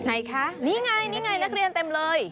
ไหนคะนี่ไงนี่ไงนักเรียนเต็มเลย